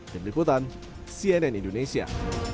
dari berikutan cnn indonesia